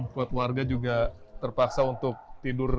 buat warga juga terpaksa untuk tidur